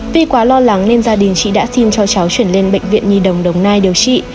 vì quá lo lắng nên gia đình chị đã xin cho cháu chuyển lên bệnh viện nhi đồng đồng nai điều trị